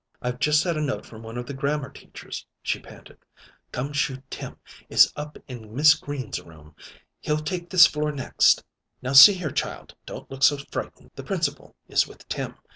"I've just had a note from one of the grammar teachers," she panted. "'Gum Shoe Tim' is up in Miss Green's room! He'll take this floor next. Now, see here, child, don't look so frightened. The Principal is with Tim.